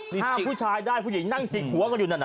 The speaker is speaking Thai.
มีจิกผู้ชายได้ผู้หญิงนั่งจิกหัวกันอยู่นั่นน่ะ